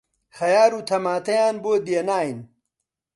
خەیار و تەماتەیان بۆ دێناین